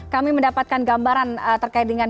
kami mendapatkan gambaran terkait dengan